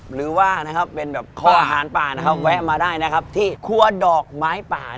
หรือว่าเป็นข้ออาหารป่าว่าเวทมาได้ที่คั่วดอกไม้ป่า